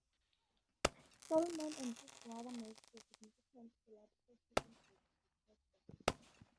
Stollman and his brother Max were significant philanthropists in greater Detroit and Israel.